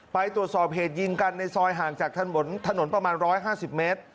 ไปตรวจสอบเหตุยิงกันในซอยห่างจากถนนประมาณ๑๕๐เมตร